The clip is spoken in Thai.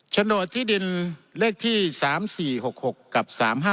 โฉนดที่ดินเลขที่๓๔๖๖กับ๓๕